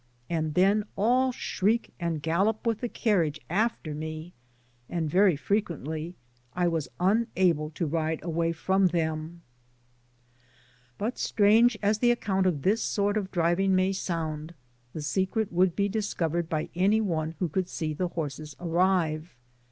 '^ and theii all shriek and gallop with the carriage after iii^; fttid ftequeiitly I was unable to ride aWay from them* But strange as the account of this scnrt of di^ving may sound, the itecret would be discovered by any one who could see the horses arrive.